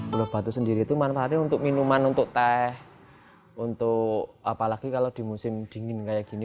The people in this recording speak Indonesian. gula batu sendiri itu manfaatnya untuk minuman untuk teh untuk apalagi kalau di musim dingin kayak gini